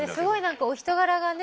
お人柄がね